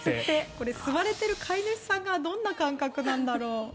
これ、吸われている飼い主さんがどんな感覚なんだろう。